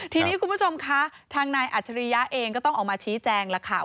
ทีนี้คุณผู้ชมคะทางนายอัจฉริยะเองก็ต้องออกมาชี้แจงแล้วค่ะ